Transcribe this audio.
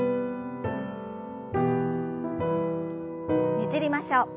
ねじりましょう。